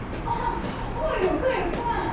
ああよかよか。